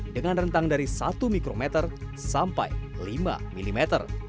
dengan rentang dari satu mikrometer sampai lima mm